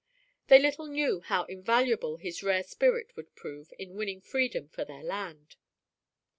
They little knew how invaluable his rare spirit would prove in winning freedom for their land.